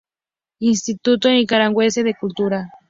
Instituto Nicaragüense de Cultura